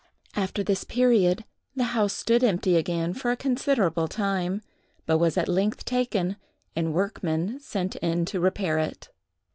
After this period, the house stood empty again for a considerable time, but was at length taken and workmen sent in to repair it.